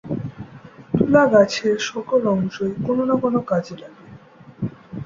তুলা গাছের সকল অংশই কোন না কোন কাজে লাগে।